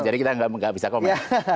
jadi kita nggak bisa komen